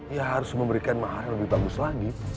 ya harus memberikan mahar yang lebih bagus lagi